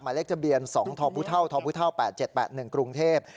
เลขทะเบียน๒ทพทพ๘๗๘๑กรุงเทพฯ